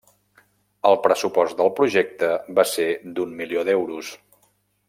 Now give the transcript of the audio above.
El pressupost del projecte va ser d'un milió d'euros.